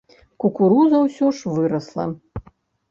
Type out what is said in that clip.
Кукуруза ўсё ж вырасла.